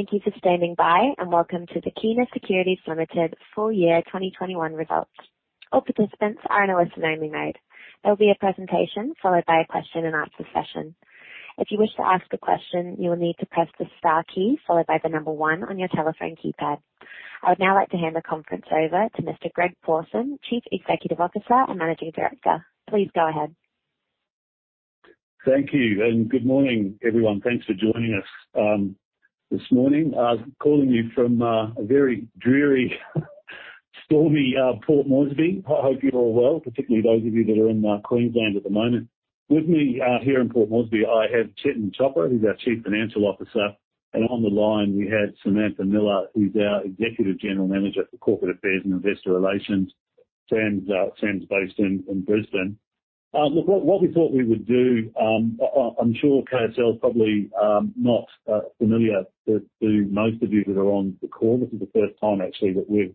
Thank you for standing by, and welcome to the Kina Securities Limited full year 2021 results. All participants are in a listen-only mode. There will be a presentation followed by a question-and-answer session. If you wish to ask a question, you will need to press the star key followed by the number one on your telephone keypad. I would now like to hand the conference over to Mr. Greg Pawson, Chief Executive Officer and Managing Director. Please go ahead. Thank you, and good morning, everyone. Thanks for joining us this morning. I'm calling you from a very dreary, stormy Port Moresby. I hope you're all well, particularly those of you that are in Queensland at the moment. With me here in Port Moresby, I have Chetan Chopra, who's our Chief Financial Officer, and on the line we have Samantha Miller, who's our Executive General Manager for Corporate Affairs and Investor Relations. Sam's based in Brisbane. Look, what we thought we would do. I'm sure KSL is probably not familiar to most of you that are on the call. This is the first time actually that we've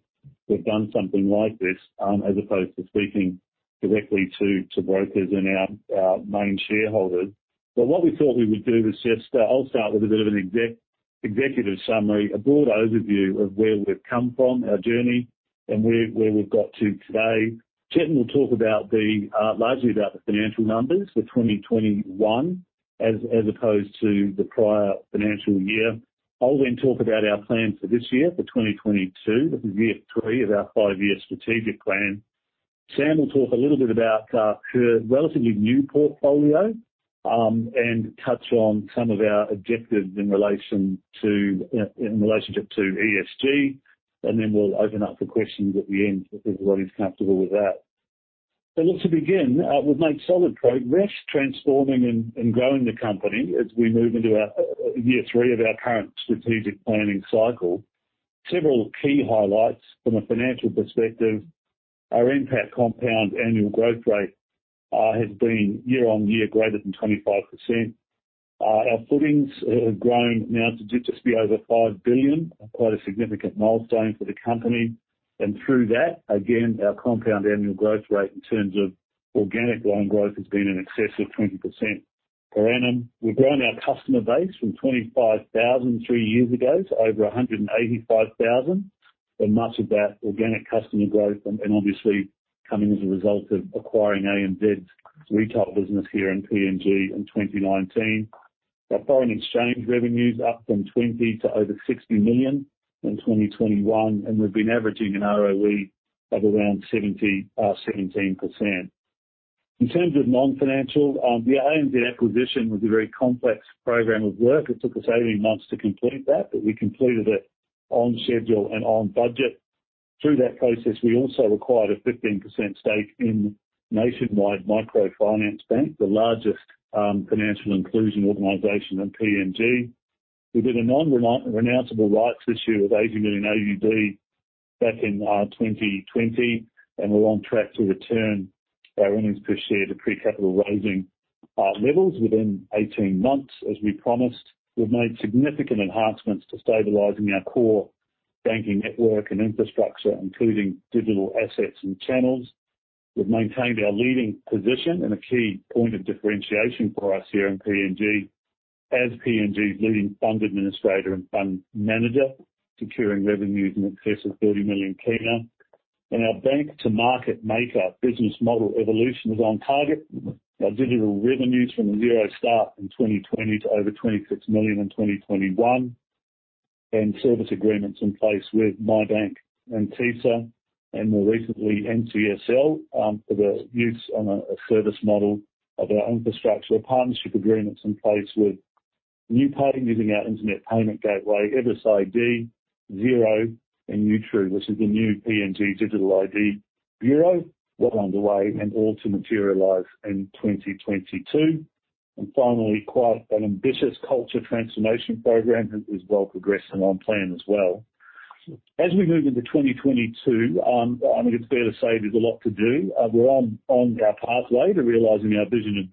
done something like this, as opposed to speaking directly to brokers and our main shareholders. What we thought we would do is just, I'll start with a bit of an executive summary, a broad overview of where we've come from, our journey, and where we've got to today. Chetan will talk about largely about the financial numbers for 2021 as opposed to the prior financial year. I'll then talk about our plans for this year, for 2022. This is year three of our five-year strategic plan. Sam will talk a little bit about her relatively new portfolio and touch on some of our objectives in relation to ESG. Then we'll open up for questions at the end if everybody's comfortable with that. Look to begin, we've made solid progress transforming and growing the company as we move into our year three of our current strategic planning cycle. Several key highlights from a financial perspective. Our NPAT compound annual growth rate has been year-on-year greater than 25%. Our footings have grown now to just be over PGK 5 billion. Quite a significant milestone for the company. Through that, again, our compound annual growth rate in terms of organic loan growth has been in excess of 20% per annum. We've grown our customer base from 25,000 3 years ago to over 185,000. Much of that organic customer growth and obviously coming as a result of acquiring ANZ's retail business here in PNG in 2019. Our foreign exchange revenue's up from PGK 20 million to over PGK 60 million in 2021, and we've been averaging an ROE of around 17%. In terms of non-financial, the ANZ acquisition was a very complex program of work. It took us 18 months to complete that, but we completed it on schedule and on budget. Through that process, we also acquired a 15% stake in Nationwide Microbank, the largest financial inclusion organization in PNG. We did a non-renounceable rights issue of AUD 80 million back in 2020, and we're on track to return our earnings per share to pre-capital raising levels within 18 months, as we promised. We've made significant enhancements to stabilizing our core banking network and infrastructure, including digital assets and channels. We've maintained our leading position and a key point of differentiation for us here in PNG. As PNG's leading fund administrator and fund manager, securing revenues in excess of PGK 30 million. Our bank to market maker business model evolution is on target. Our digital revenues from zero start in 2020 to over PGK 26 million in 2021. Service agreements in place with Maybank and TISA and more recently, NCSL, for the use of a service model of our infrastructure. Partnership agreements in place with new parties using our internet payment gateway, Eversend, Xero and YuTru, which is the new PNG Digital ID Bureau. Well underway and all to materialize in 2022. Finally, quite an ambitious culture transformation program that is well progressed and on plan as well. As we move into 2022, I think it's fair to say there's a lot to do. We're on our pathway to realizing our vision of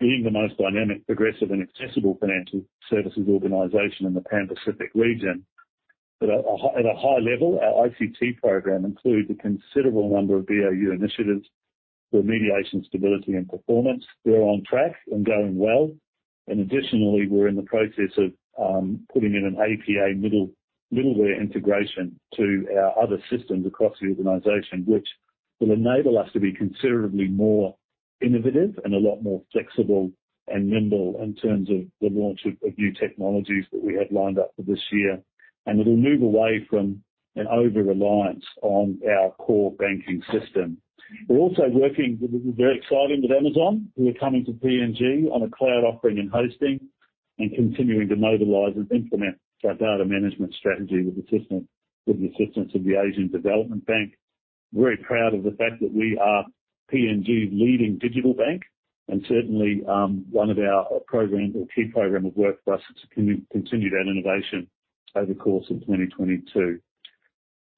being the most dynamic, progressive and accessible financial services organization in the Pan Pacific region. At a high level, our ICT program includes a considerable number of BAU initiatives for remediation, stability and performance. We're on track and going well. Additionally, we're in the process of putting in an API middleware integration to our other systems across the organization, which will enable us to be considerably more innovative and a lot more flexible and nimble in terms of the launch of new technologies that we have lined up for this year. It'll move away from an over-reliance on our core banking system. We're also working, this is very exciting, with Amazon, who are coming to PNG on a cloud offering and hosting and continuing to mobilize and implement our data management strategy with the system, with the assistance of the Asian Development Bank. Very proud of the fact that we are PNG's leading digital bank and certainly one of our programs or key program of work for us to continue that innovation over the course of 2022.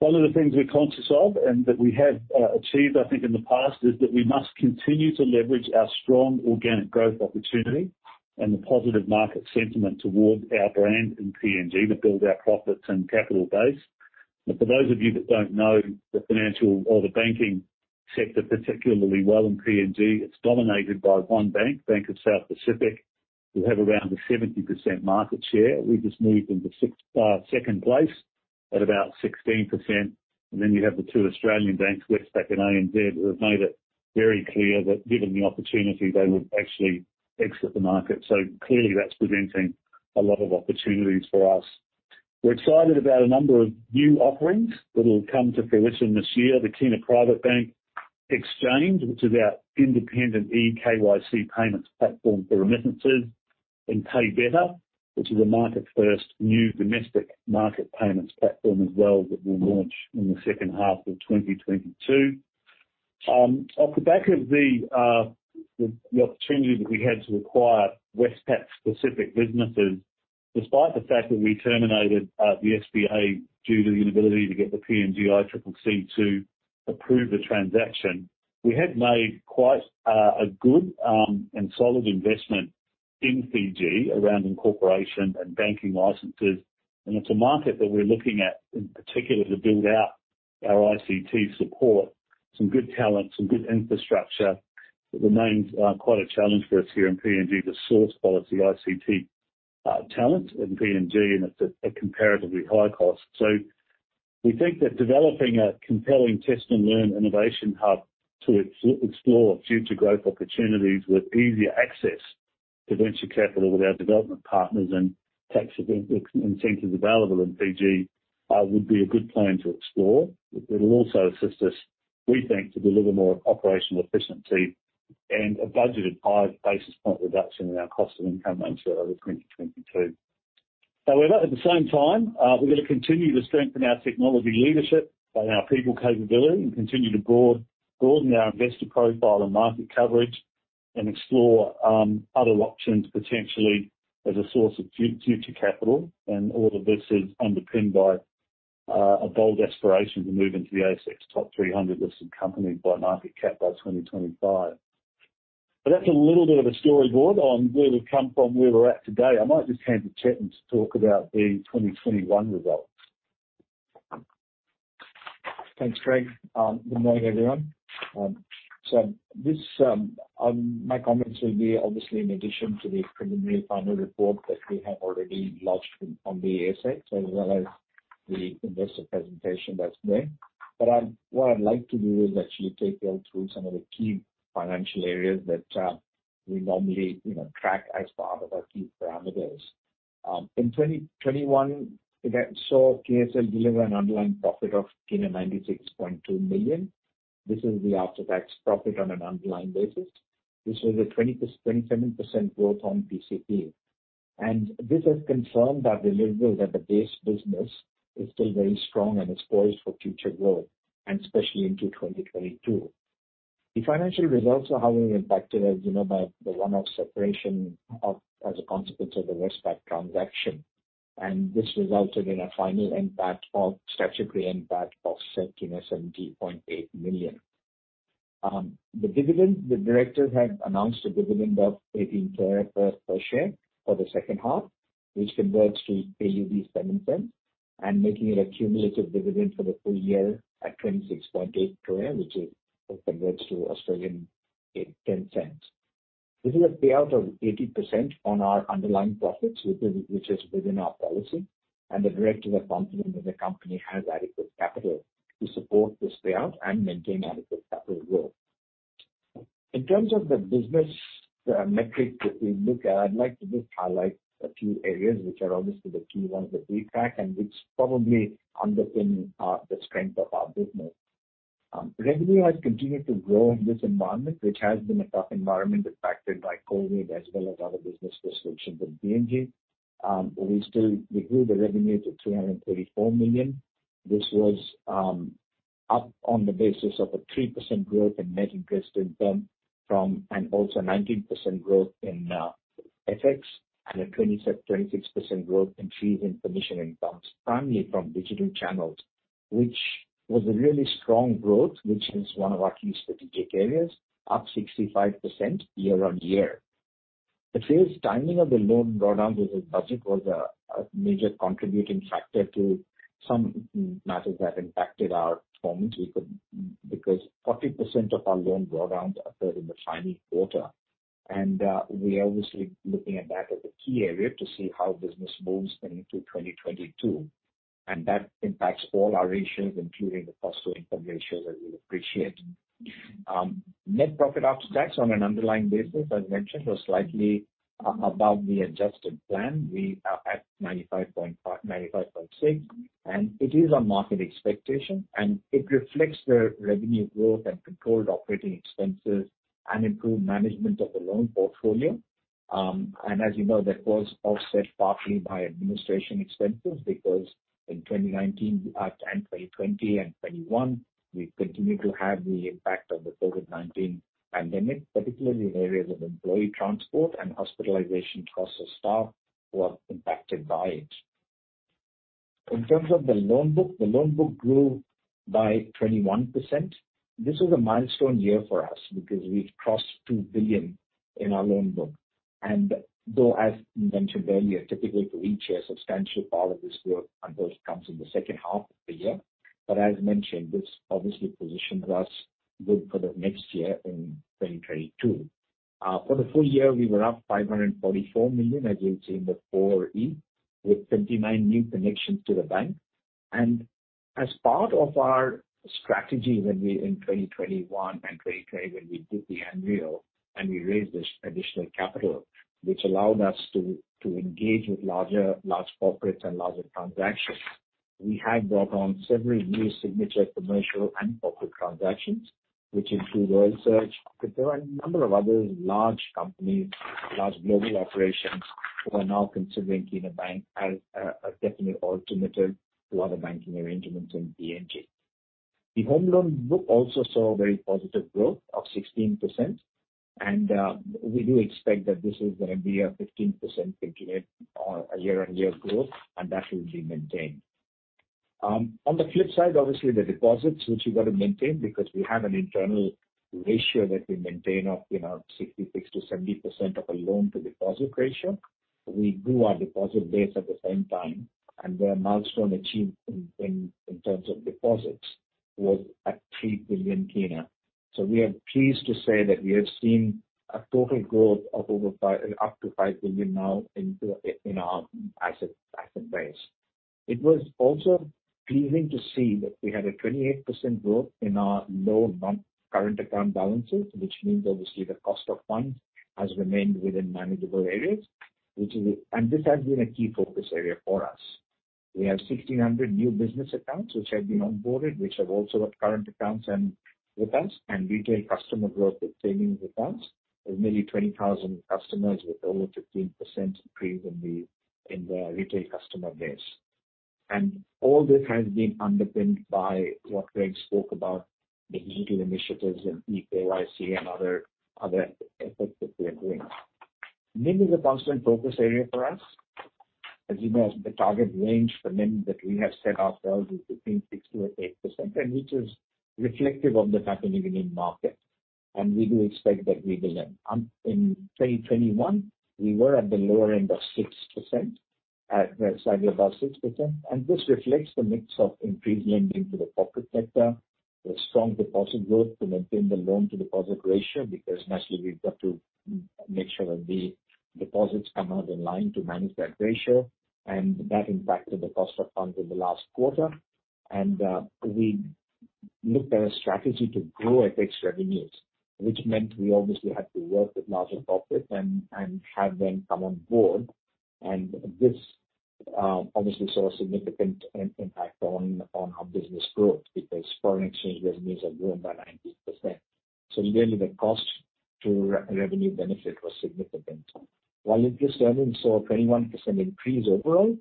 One of the things we're conscious of and that we have achieved, I think in the past, is that we must continue to leverage our strong organic growth opportunity and the positive market sentiment towards our brand in PNG to build our profits and capital base. For those of you that don't know the financial or the banking sector, particularly well in PNG, it's dominated by one bank, Bank South Pacific, who have around a 70% market share. We've just moved into second place at about 16%. Then you have the two Australian banks, Westpac and ANZ, who have made it very clear that given the opportunity, they would actually exit the market. Clearly that's presenting a lot of opportunities for us. We're excited about a number of new offerings that will come to fruition this year. The Kina Private Bank Exchange, which is our independent EKYC payments platform for remittances, and Pei Beta, which is a market first new domestic market payments platform as well, that we'll launch in the second half of 2022. Off the back of the opportunity that we had to acquire Westpac's specific businesses, despite the fact that we terminated the SPA due to the inability to get the PNG ICCC to approve the transaction. We have made quite a good and solid investment in Fiji around incorporation and banking licenses. It's a market that we're looking at in particular to build out our ICT support. Some good talent, some good infrastructure. It remains quite a challenge for us here in PNG to source quality ICT talent in PNG, and at a comparatively high cost. We think that developing a compelling test-and-learn innovation hub to explore future growth opportunities with easier access to venture capital with our development partners and tax incentives available in Fiji would be a good plan to explore. It'll also assist us, we think, to deliver more operational efficiency and a budgeted 5 basis point reduction in our cost-to-income aims for over 2022. However, at the same time, we're gonna continue to strengthen our technology leadership and our people capability and continue to broaden our investor profile and market coverage and explore other options potentially as a source of future capital. All of this is underpinned by a bold aspiration to move into the ASX top 300 listed companies by market cap by 2025. That's a little bit of a storyboard on where we've come from, where we're at today. I might just hand to Chetan to talk about the 2021 results. Thanks, Greg. Good morning, everyone. My comments will be obviously in addition to the preliminary final report that we have already lodged on the ASX, as well as the investor presentation that's there. What I'd like to do is actually take you all through some of the key financial areas that we normally, you know, track as part of our key parameters. In 2021, we saw KSL deliver an underlying profit of PGK 96.2 million. This is the after-tax profit on an underlying basis. This was a 27% growth on PCP. This has confirmed our delivery that the base business is still very strong and it's poised for future growth, and especially into 2022. The financial results are having impacted, as you know, by the one-off separation of, as a consequence of the Westpac transaction. This resulted in a final impact of statutory impact of PGK 70.8 million. The dividend, the directors have announced a dividend of PGK 0.18 per share for the second half, which converts to 0.07 and making it a cumulative dividend for the full year at PGK 0.268, which converts to 0.10. This is a payout of 80% on our underlying profits, which is within our policy, and the directors are confident that the company has adequate capital to support this payout and maintain adequate capital growth. In terms of the business metrics that we look at, I'd like to just highlight a few areas which are obviously the key ones that we track and which probably underpin the strength of our business. Revenue has continued to grow in this environment, which has been a tough environment impacted by COVID as well as other business disruptions in PNG. We still grew the revenue to PGK 334 million. This was up on the basis of a 3% growth in net interest income and also 19% growth in FX and a 26% growth in fees and commission incomes, primarily from digital channels, which was a really strong growth, which is one of our key strategic areas, up 65% year-over-year. The phase timing of the loan drawdown with the budget was a major contributing factor to some matters that impacted our performance. Because 40% of our loan drawdowns occurred in the final quarter. We're obviously looking at that as a key area to see how business moves going into 2022. That impacts all our ratios, including the cost to income ratio, as you'll appreciate. Net profit after tax on an underlying basis, as mentioned, was slightly about the adjusted plan. We are at 95.6%, and it is on market expectation, and it reflects the revenue growth and controlled operating expenses and improved management of the loan portfolio. As you know, that was offset partly by administration expenses because in 2019 and 2020 and 2021, we continued to have the impact of the COVID-19 pandemic, particularly in areas of employee transport and hospitalization costs of staff who are impacted by it. In terms of the loan book, the loan book grew by 21%. This is a milestone year for us because we've crossed PGK 2 billion in our loan book. Though as mentioned earlier, typically for each year, substantial part of this growth comes in the second half of the year. As mentioned, this obviously positions us good for the next year in 2022. For the full year, we were up PGK 544 million, as you would see in the Appendix 4E, with 29 new connections to the bank. As part of our strategy when we in 2021 and 2020 when we did the annual, and we raised this additional capital, which allowed us to engage with large corporates and larger transactions. We have brought on several new signature commercial and corporate transactions, which include Oil Search. There are a number of other large companies, large global operations, who are now considering Kina Bank as a definite alternative to other banking arrangements in PNG. The home loan book also saw a very positive growth of 16%. We do expect that this is gonna be a 15%-28% year-on-year growth, and that will be maintained. On the flip side, obviously, the deposits which you got to maintain because we have an internal ratio that we maintain of, you know, 66%-70% of a loan to deposit ratio. We grew our deposit base at the same time, and a milestone achieved in terms of deposits was at PGK 3 billion. So we are pleased to say that we have seen a total growth of up to PGK 5 billion now in our asset base. It was also pleasing to see that we had a 28% growth in our low non-current account balances, which means obviously the cost of funds has remained within manageable areas, which is a key focus area for us. We have 1,600 new business accounts which have been onboarded, which have also got current accounts and with us, and retail customer growth is saving with us. With nearly 20,000 customers, with over 15% increase in the retail customer base. All this has been underpinned by what Greg spoke about, the digital initiatives and EKYC and other efforts that we are doing. NIM is a constant focus area for us. As you know, the target range for NIM that we have set ourselves is between 6%-8%, which is reflective of the happenings in the market. We do expect that we will end. In 2021, we were at the lower end of 6%, at slightly above 6%. This reflects the mix of increased lending to the corporate sector, the strong deposit growth to maintain the loan to deposit ratio, because naturally, we've got to make sure that the deposits come out in line to manage that ratio. That impacted the cost of funds in the last quarter. We looked at a strategy to grow FX revenues, which meant we obviously had to work with larger corporate and have them come on board. This obviously saw a significant impact on our business growth because foreign exchange revenues have grown by 90%. Really the cost to revenue benefit was significant. While interest earnings saw a 21% increase overall,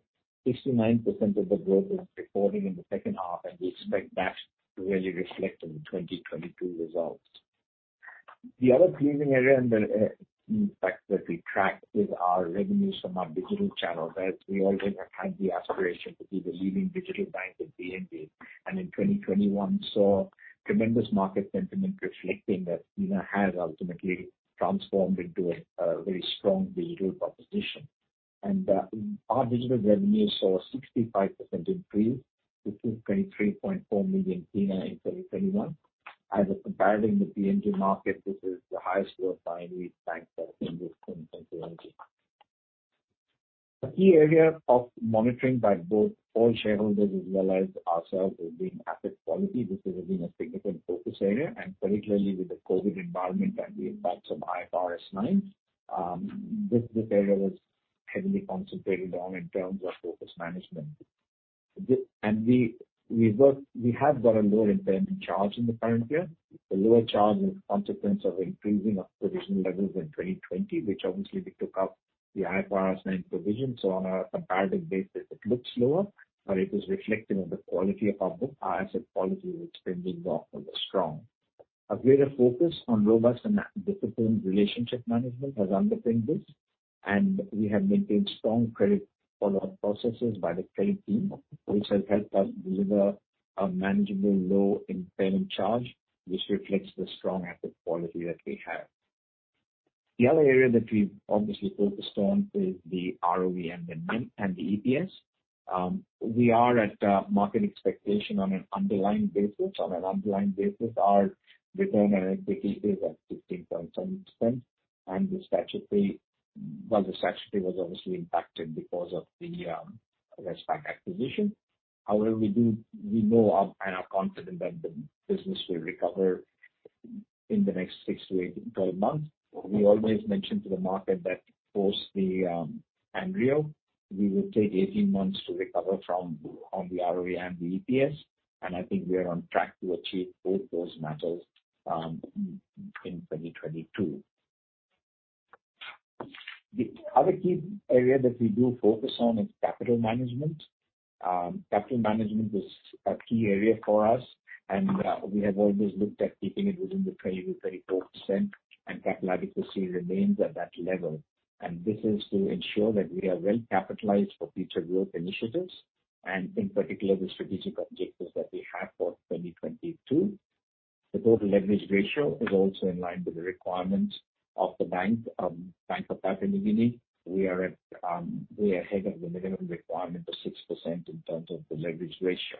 69% of the growth was recorded in the second half, and we expect that to really reflect in the 2022 results. The other pleasing area and the impact that we track is our revenues from our digital channel, that we always have had the aspiration to be the leading digital bank in PNG. In 2021, saw tremendous market sentiment reflecting that Kina has ultimately transformed into a very strong digital proposition. Our digital revenue saw a 65% increase to PGK 23.4 million in 2021. As a comparative in the PNG market, this is the highest growth by any bank that operates in PNG. A key area of monitoring by both all shareholders as well as ourselves is the asset quality. This has been a significant focus area, and particularly with the COVID environment and the impacts of IFRS 9, this area was heavily concentrated on in terms of focus management. We have got a lower impairment charge in the current year. The lower charge is a consequence of increase in provision levels in 2020, which obviously we took up the IFRS 9 provision. On a comparative basis, it looks lower, but it is reflective of the quality of our book. Our asset quality has been doing well. It's strong. A greater focus on robust and disciplined relationship management has underpinned this. We have maintained strong credit follow-up processes by the credit team, which has helped us deliver a manageable low impairment charge, which reflects the strong asset quality that we have. The other area that we've obviously focused on is the ROE and the NIM, and the EPS. We are at market expectation on an underlying basis. On an underlying basis, our return on equity is at 15.7%. The statutory was obviously impacted because of the Westpac acquisition. However, we know and are confident that the business will recover in the next six to eight, twelve months. We always mention to the market that post the annual, we will take 18 months to recover from, on the ROE and the EPS, and I think we are on track to achieve both those matters in 2022. The other key area that we do focus on is capital management. Capital management is a key area for us, and we have always looked at keeping it within the 20%-34%, and capital adequacy remains at that level. This is to ensure that we are well capitalized for future growth initiatives, and in particular, the strategic objectives that we have for 2022. The total leverage ratio is also in line with the requirements of the bank, Bank of Papua New Guinea. We are at way ahead of the minimum requirement of 6% in terms of the leverage ratio.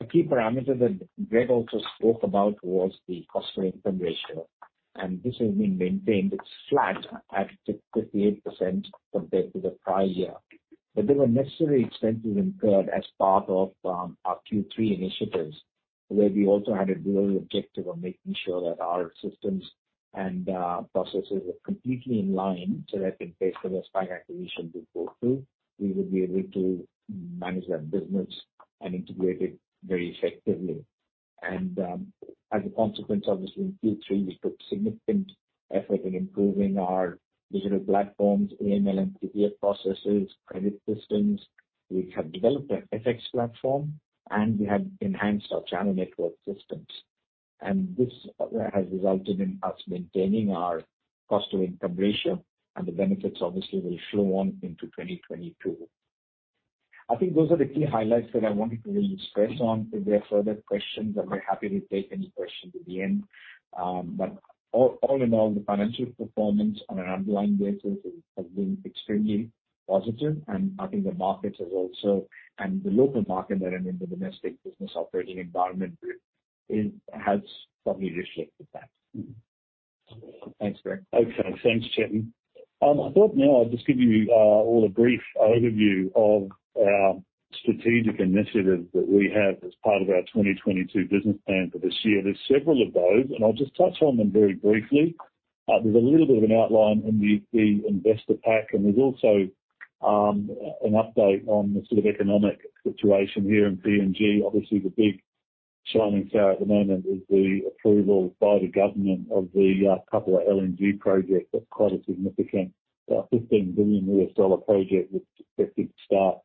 The key parameter that Greg also spoke about was the cost to income ratio, and this has been maintained. It's flat at 58% compared to the prior year. There were necessary expenses incurred as part of our Q3 initiatives, where we also had a dual objective of making sure that our systems and processes were completely in line so that in case the Westpac acquisition did go through, we would be able to manage that business and integrate it very effectively. As a consequence, obviously in Q3, we put significant effort in improving our digital platforms, AML and CTF processes, credit systems. We have developed an FX platform, and we have enhanced our channel network systems. This has resulted in us maintaining our cost to income ratio, and the benefits obviously will flow on into 2022. I think those are the key highlights that I wanted to really stress on. If there are further questions, I'm very happy to take any questions at the end. All in all, the financial performance on an underlying basis has been extremely positive. I think the market has also. The local market and the domestic business operating environment has strongly shifted back. Thanks, Greg. Okay, thanks, Chetan. I thought now I'll just give you all a brief overview of our strategic initiatives that we have as part of our 2022 business plan for this year. There's several of those, and I'll just touch on them very briefly. There's a little bit of an outline in the investor pack, and there's also an update on the sort of economic situation here in PNG. Obviously, the big shining star at the moment is the approval by the government of the Papua LNG project. That's quite a significant $15 billion project, which is expected to start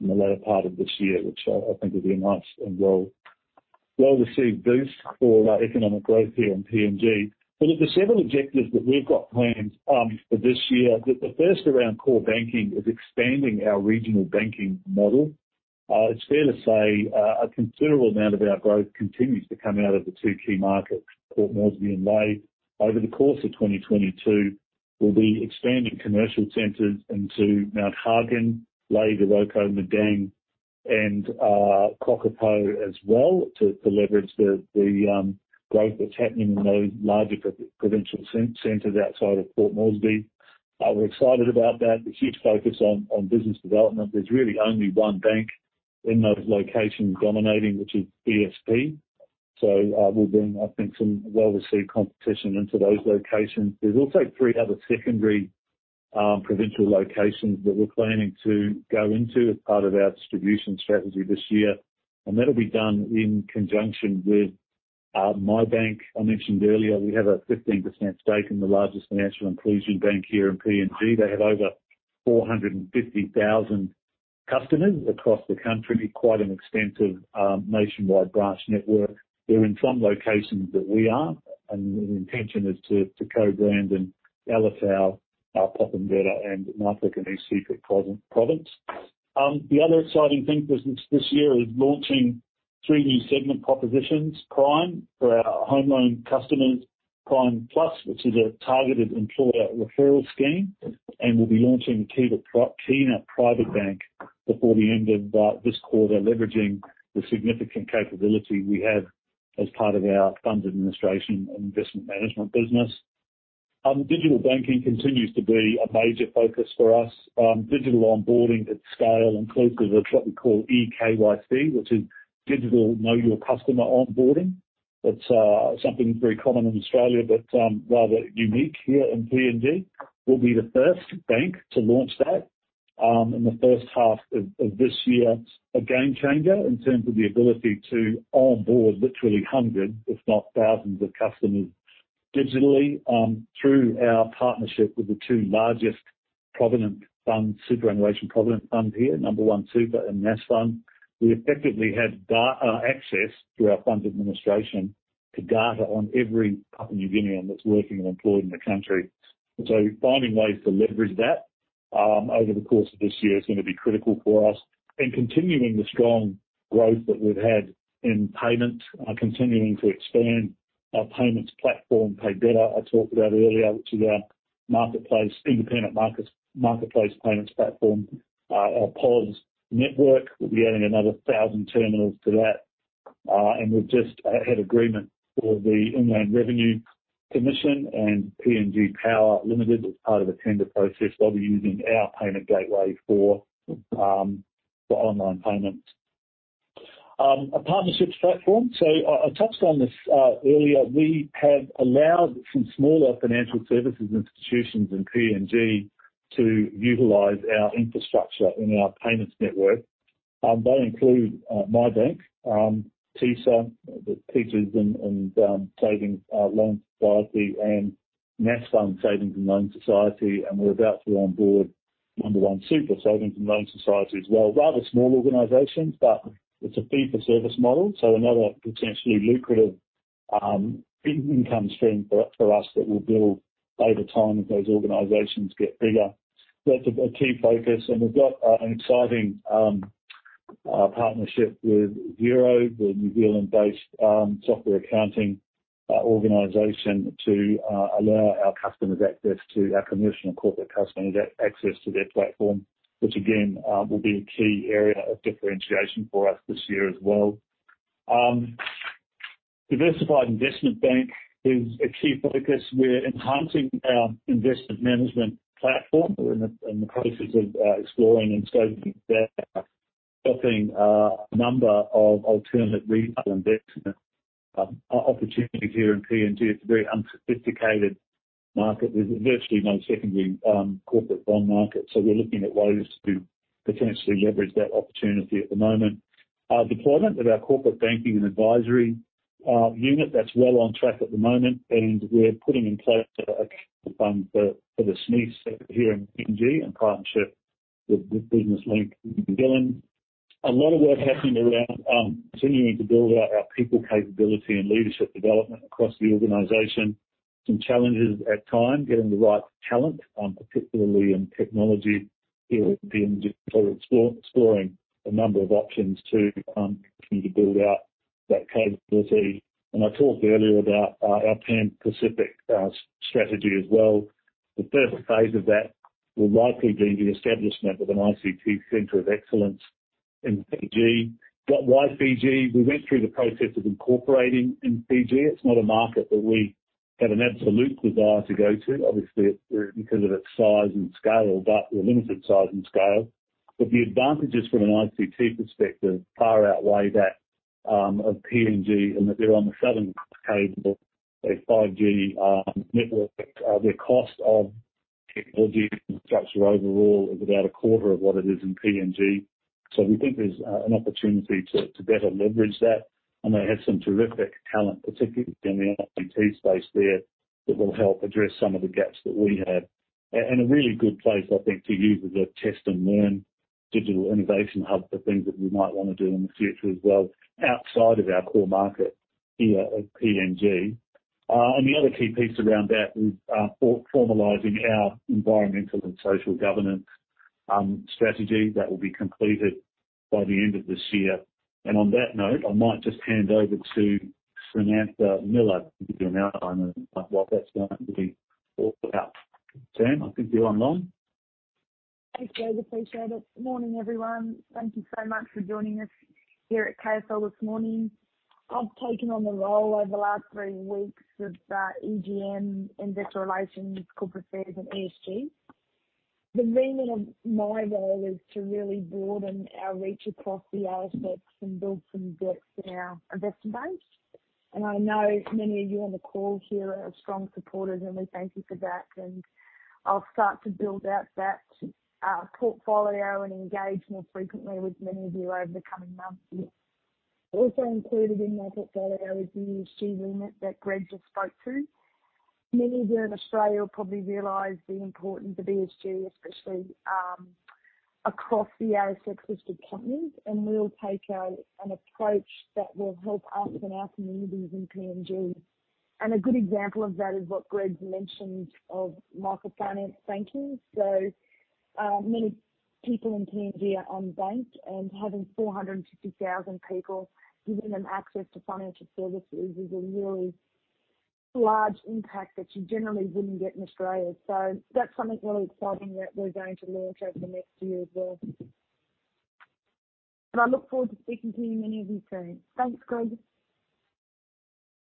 in the latter part of this year, which I think will be a nice and well-received boost for our economic growth here in PNG. Of the several objectives that we've got planned for this year, the first around core banking is expanding our regional banking model. It's fair to say a considerable amount of our growth continues to come out of the two key markets, Port Moresby and Lae. Over the course of 2022, we'll be expanding commercial centers into Mount Hagen, Lae, Goroka, Madang and Kokopo as well to leverage the growth that's happening in those larger provincial centers outside of Port Moresby. We're excited about that. A huge focus on business development. There's really only one bank in those locations dominating, which is BSP. We'll bring, I think, some well-received competition into those locations. There's also three other secondary provincial locations that we're planning to go into as part of our distribution strategy this year, and that'll be done in conjunction with Maybank. I mentioned earlier, we have a 15% stake in the largest financial inclusion bank here in PNG. They have over 450,000 customers across the country, quite an extensive nationwide branch network. They're in some locations that we aren't, and the intention is to co-brand in Alotau, Popondetta, and Nipa, Enga Province. The other exciting thing for this year is launching three new segment propositions, Prime for our home loan customers, Prime Plus, which is a targeted employer referral scheme. We'll be launching Kina Private Bank before the end of this quarter, leveraging the significant capability we have as part of our funds administration and investment management business. Digital banking continues to be a major focus for us. Digital onboarding at scale includes what we call EKYC, which is digital Know Your Customer onboarding. It's something very common in Australia, but rather unique here in PNG. We'll be the first bank to launch that in the first half of this year. A game changer in terms of the ability to onboard literally hundreds, if not thousands of customers digitally through our partnership with the two largest provident funds, superannuation provident funds here, Nambawan Super and Nasfund. We effectively have access through our funds administration to data on every Papua New Guinean that's working and employed in the country. Finding ways to leverage that over the course of this year is gonna be critical for us. Continuing the strong growth that we've had in payments, continuing to expand our payments platform, Pei Beta, I talked about earlier, which is our marketplace, independent markets, marketplace payments platform. Our POS network, we'll be adding another 1,000 terminals to that. We've just had agreement for the Internal Revenue Commission and PNG Power Limited as part of a tender process. They'll be using our payment gateway for online payment. A partnerships platform. I touched on this earlier. We have allowed some smaller financial services institutions in PNG to utilize our infrastructure in our payments network. They include MayBank, TISA, the Teachers Savings and Loan Society, and Nasfund Savings and Loan Society. We're about to onboard Nambawan Super Savings and Loan Society as well. Rather small organizations, but it's a fee for service model, so another potentially lucrative income stream for us that will build over time as those organizations get bigger. That's a key focus. We've got an exciting partnership with Xero, the New Zealand-based software accounting organization to allow our commercial and corporate customers access to their platform, which again will be a key area of differentiation for us this year as well. Diversified investment bank is a key focus. We're enhancing our investment management platform. We're in the process of exploring and scoping that, offering a number of alternate retail investment opportunities here in PNG. It's a very unsophisticated market. There's virtually no secondary corporate bond market, so we're looking at ways to potentially leverage that opportunity at the moment. Our deployment of our corporate banking and advisory unit, that's well on track at the moment, and we're putting in place a fund for the SMEs here in PNG in partnership with Business Link Pacific in New Zealand. A lot of work happening around continuing to build out our people capability and leadership development across the organization. Some challenges at times, getting the right talent, particularly in technology here in PNG. We're exploring a number of options to continue to build out that capability. I talked earlier about our Pan Pacific strategy as well. The first phase of that will likely be the establishment of an ICT center of excellence in PNG. Why PNG? We went through the process of incorporating in PNG. It's not a market that we have an absolute desire to go to, obviously, because of its size and scale, but with limited size and scale. The advantages from an ICT perspective far outweigh that of PNG, and that they're on the Southern Cable, a 5G network. Their cost of technology infrastructure overall is about a quarter of what it is in PNG. We think there's an opportunity to better leverage that. They have some terrific talent, particularly in the ICT space there, that will help address some of the gaps that we have. A really good place, I think, to use as a test and learn digital innovation hub for things that we might wanna do in the future as well, outside of our core market here at PNG. The other key piece around that is formalizing our environmental and social governance strategy that will be completed by the end of this year. On that note, I might just hand over to Samantha Miller to give you an outline of what that's going to be all about. Sam, I think you're online. Thanks, Greg. Appreciate it. Morning, everyone. Thank you so much for joining us here at KSL this morning. I've taken on the role over the last three weeks of EGM, investor relations, corporate affairs and ESG. The remit of my role is to really broaden our reach across the ASX and build some depth in our investor base. I know many of you on the call here are strong supporters, and we thank you for that. I'll start to build out that portfolio and engage more frequently with many of you over the coming months. Also included in that portfolio is the ESG remit that Greg just spoke to. Many here in Australia will probably realize the importance of ESG, especially across the ASX-listed companies, and we'll take an approach that will help us and our communities in PNG. A good example of that is what Greg's mentioned of microfinance banking. Many people in PNG are unbanked, and having 450,000 people, giving them access to financial services is a really large impact that you generally wouldn't get in Australia. That's something really exciting that we're going to launch over the next year as well. I look forward to speaking to you, many of you soon. Thanks, Greg.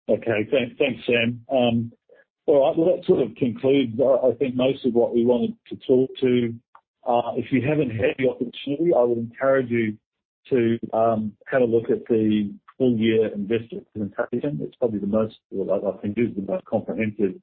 Okay. Thanks, Sam. All right. Well, that sort of concludes, I think most of what we wanted to talk to. If you haven't had the opportunity, I would encourage you to have a look at the full year investor presentation. It's probably the most, or I think is the most comprehensive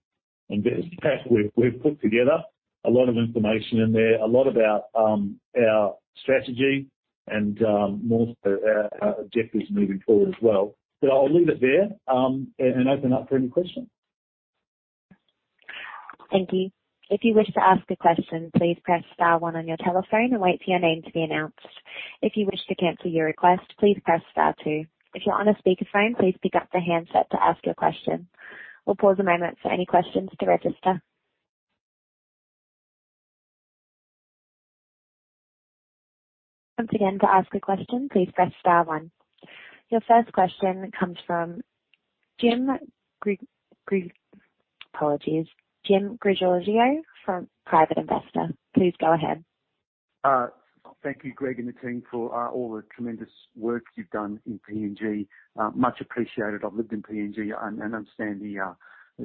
investor pack we've put together. A lot of information in there. A lot about our strategy and more so our objectives moving forward as well. I'll leave it there and open up for any questions. Thank you. If you wish to ask a question, please press star one on your telephone and wait for your name to be announced. If you wish to cancel your request, please press star two. If you're on a speakerphone, please pick up the handset to ask your question. We'll pause a moment for any questions to register. Once again, to ask a question, please press star one. Your first question comes from Jim Grigio from Private Investor. Please go ahead. Thank you, Greg and the team for all the tremendous work you've done in PNG. Much appreciated. I've lived in PNG and understand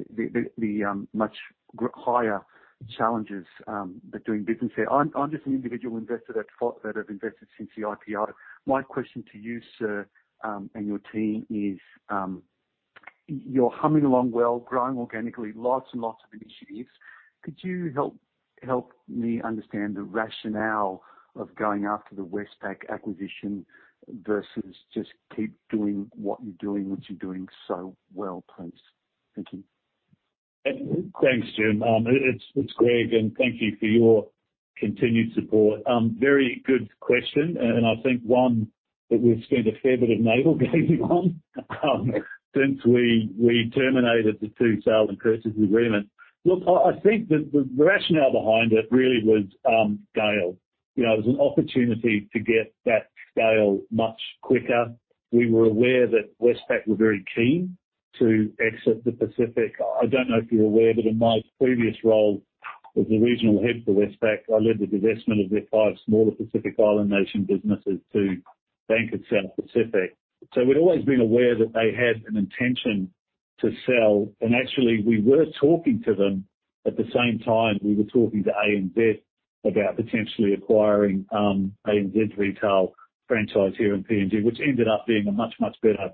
the higher challenges that doing business there. I'm just an individual investor that have invested since the IPO. My question to you, sir, and your team is, you're humming along well, growing organically, lots and lots of initiatives. Could you help me understand the rationale of going after the Westpac acquisition versus just keep doing what you're doing so well, please? Thank you. Thanks, Jim. It's Greg, and thank you for your continued support. Very good question, and I think one that we've spent a fair bit of navel-gazing on, since we terminated the two sale and purchase agreement. Look, I think the rationale behind it really was scale. You know, it was an opportunity to get that scale much quicker. We were aware that Westpac were very keen to exit the Pacific. I don't know if you're aware, but in my previous role as the regional head for Westpac, I led the divestment of their five smaller Pacific Island nation businesses to Bank South Pacific. We'd always been aware that they had an intention to sell, and actually we were talking to them at the same time we were talking to ANZ about potentially acquiring ANZ retail franchise here in PNG, which ended up being a much, much better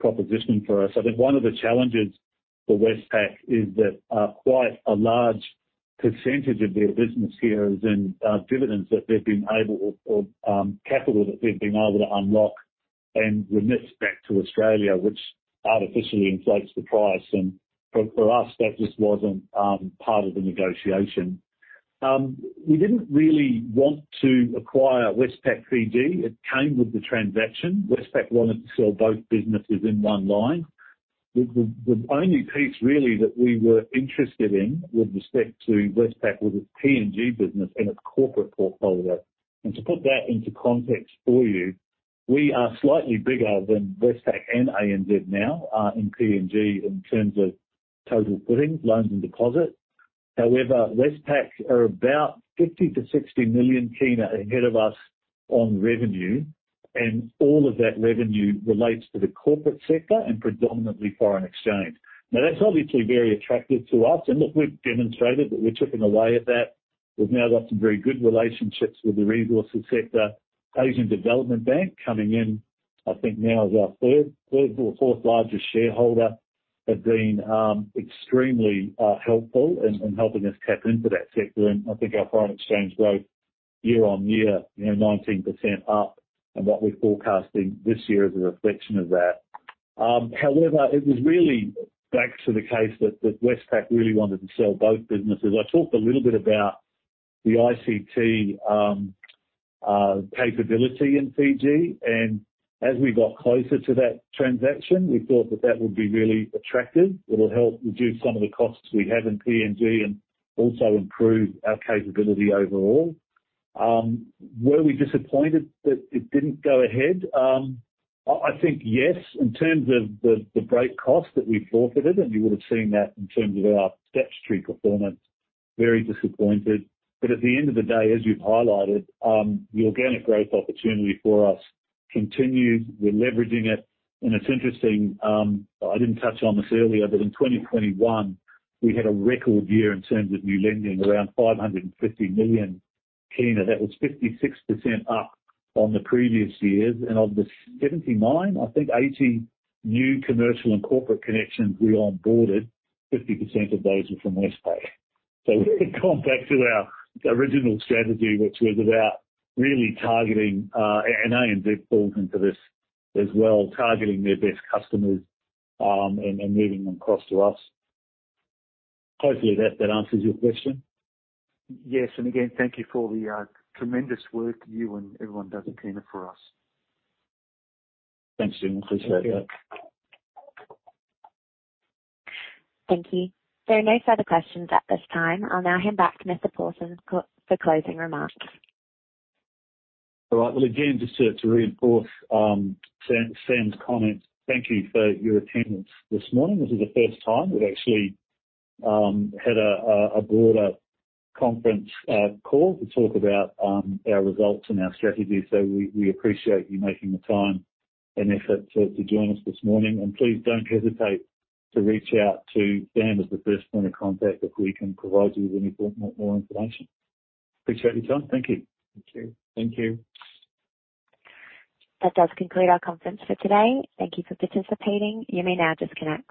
proposition for us. I think one of the challenges for Westpac is that quite a large percentage of their business here is in dividends, capital that they've been able to unlock and remit back to Australia, which artificially inflates the price. For us, that just wasn't part of the negotiation. We didn't really want to acquire Westpac Fiji. It came with the transaction. Westpac wanted to sell both businesses in one line. The only piece really that we were interested in with respect to Westpac was its PNG business and its corporate portfolio. To put that into context for you, we are slightly bigger than Westpac and ANZ now in PNG in terms of total funding, loans and deposits. However, Westpac are about PGK 50 million-PGK 60 million ahead of us on revenue, and all of that revenue relates to the corporate sector and predominantly foreign exchange. Now, that's obviously very attractive to us, and look, we've demonstrated that we're chipping away at that. We've now got some very good relationships with the resources sector. Asian Development Bank coming in, I think now as our third or fourth largest shareholder, have been extremely helpful in helping us tap into that sector. I think our foreign exchange growth year-on-year, you know, 19% up and what we're forecasting this year is a reflection of that. However, it was really back to the case that Westpac really wanted to sell both businesses. I talked a little bit about the ICT capability in Fiji, and as we got closer to that transaction, we thought that that would be really attractive. It'll help reduce some of the costs we have in PNG and also improve our capability overall. Were we disappointed that it didn't go ahead? I think yes, in terms of the break cost that we forfeited, and you would have seen that in terms of our statutory performance. Very disappointed. At the end of the day, as you've highlighted, the organic growth opportunity for us continues. We're leveraging it. It's interesting, I didn't touch on this earlier, but in 2021 we had a record year in terms of new lending, around PGK 550 million. That was 56% up on the previous years. Of the 79, I think 80 new commercial and corporate connections we onboarded, 50% of those were from Westpac. Going back to our original strategy, which was about really targeting, and ANZ falls into this as well, targeting their best customers, and moving them across to us. Hopefully that answers your question. Yes, again, thank you for the tremendous work you and everyone does at Kina for us. Thanks, Jim. Appreciate that. Thank you. Thank you. There are no further questions at this time. I'll now hand back to Mr. Pawson for closing remarks. All right. Well, again, just to reinforce, Sam's comments, thank you for your attendance this morning. This is the first time we've actually had a broader conference call to talk about our results and our strategy. We appreciate you making the time and effort to join us this morning. Please don't hesitate to reach out to Sam as the first point of contact if we can provide you with any more information. Appreciate your time. Thank you. Thank you. Thank you. That does conclude our conference for today. Thank you for participating. You may now disconnect.